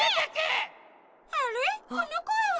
あれこのこえは。